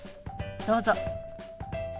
どうぞ。